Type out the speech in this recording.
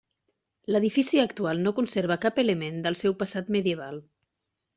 L'edifici actual no conserva cap element del seu passat medieval.